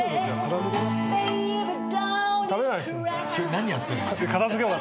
何やってんの？